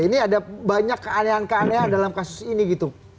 ini ada banyak keanehan keanehan dalam kasus ini gitu